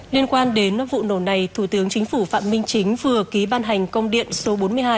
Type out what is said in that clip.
liên quan đến vụ nổ này thủ tướng chính phủ phạm minh chính vừa ký ban hành công điện số bốn mươi hai